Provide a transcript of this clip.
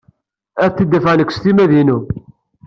Ad t-id-afeɣ nekk s timmad-inu.